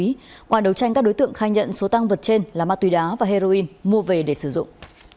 ngoài đấu tranh các đối tượng khai nhận số tăng vật trên là ma túy đá và heroin mua về để sử dụng